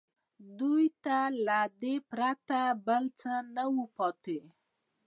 دوی ته له دې پرته بل څه نه وو پاتې